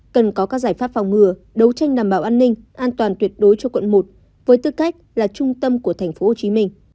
cần có các giải pháp phòng ngừa đấu tranh đảm bảo an ninh an toàn tuyệt đối cho quận một với tư cách là trung tâm của tp hcm